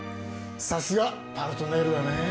さすが「パルトネール」だね。